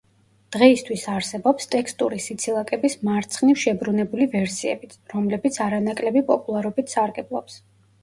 დღეისთვის არსებობს ტექსტური სიცილაკების მარცხნივ შებრუნებული ვერსიებიც, რომლებიც არანაკლები პოპულარობით სარგებლობს.